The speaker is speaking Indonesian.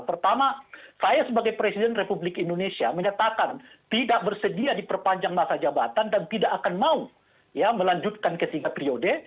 pertama saya sebagai presiden republik indonesia mengatakan tidak bersedia di perpanjang masa jabatan dan tidak akan mau ya melanjutkan ke tiga periode